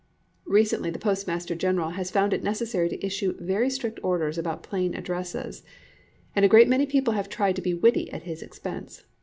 Recently the Postmaster General has found it necessary to issue very strict orders about plain addresses, and a great many people have tried to be witty at his expense.